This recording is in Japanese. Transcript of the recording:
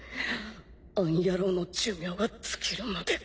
あの野郎の寿命が尽きるまで。